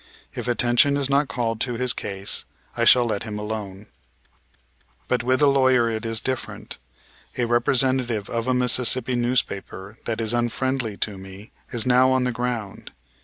If attention is not called to his case, I shall let him alone. "But with the lawyer it is different. A representative of a Mississippi newspaper that is unfriendly to me is now on the ground.